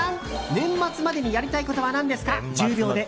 年末までにやりたいことは何ですか？